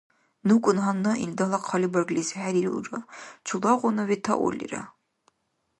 НукӀун гьанна илдала хъалибарглизив хӀерирулра, чулагъуна ветаурлира.